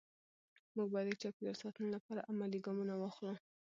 موږ باید د چاپېریال ساتنې لپاره عملي ګامونه واخلو